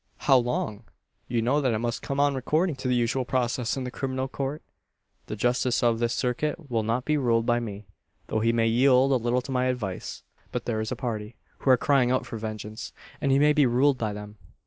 "How long? You know that it must come on according to the usual process in the Criminal Court. The judge of this circuit will not be ruled by me, though he may yield a little to my advice. But there is a party, who are crying out for vengeance; and he may be ruled by them."